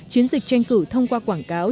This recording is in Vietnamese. chiến dịch tranh cử thông qua quảng cáo